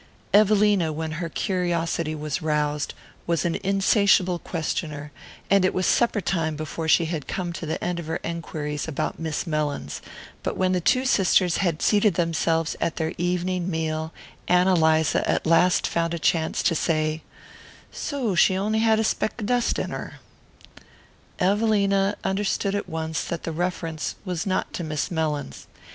Evelina, when her curiosity was roused, was an insatiable questioner, and it was supper time before she had come to the end of her enquiries about Miss Mellins; but when the two sisters had seated themselves at their evening meal Ann Eliza at last found a chance to say: "So she on'y had a speck of dust in her." Evelina understood at once that the reference was not to Miss Mellins.